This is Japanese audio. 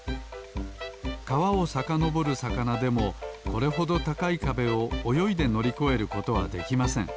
かわをさかのぼるさかなでもこれほどたかいかべをおよいでのりこえることはできません。